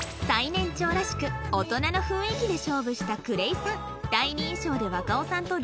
最年長らしく大人の雰囲気で勝負したクレイさん